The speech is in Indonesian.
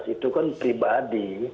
itu kan pribadi